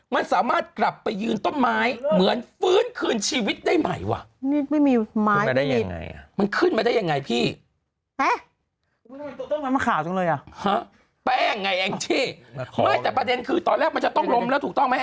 มันสามารถกลับไปยืนต้นไม้เหมือนฟื้นคืนชีวิตได้ใหม่ว่ะ